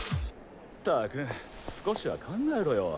ったく少しは考えろよ。